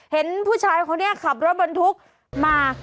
เห็นผู้ชายเขานี่ขับรถบนทุกข์มา